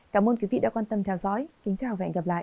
cảm ơn quý vị đã quan tâm theo dõi kính chào và hẹn gặp lại